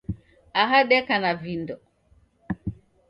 Aha deka na vindo.